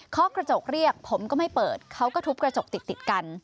ข้อกระจกเรียกผมก็ไม่เปิดเขาก็ทุบกระจกติดกัน